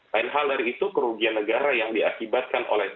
lain hal dari itu kerugian negara yang diakibatkan oleh